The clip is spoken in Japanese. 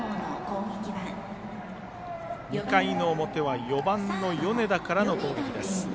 ２回の表は４番の米田からの攻撃です。